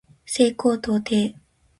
西高東低